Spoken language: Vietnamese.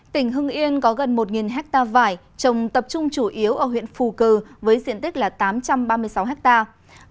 tỉnh hưng yên có gần một hectare vải trồng tập trung chủ yếu ở huyện phù cử với diện tích là tám trăm ba mươi sáu hectare